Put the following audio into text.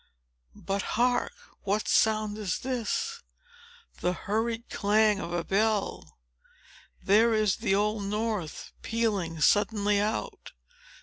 But, hark! what sound is this? The hurried clang of a bell! There is the Old North, pealing suddenly out!